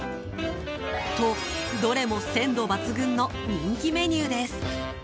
どれも鮮度抜群の人気メニューです。